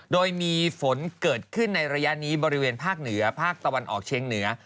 โดยมีฝนเกิดขึ้นในระยะนี้บริเวณภาคเหนือภาคตะวันออกเชียงเหนือ